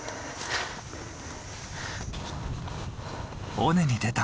尾根に出た。